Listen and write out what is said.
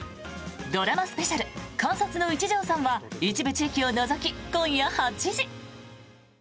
ドラマスペシャル「監察の一条さん」は一部地域を除き、今夜８時。